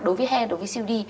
đối với hen đối với siêu đi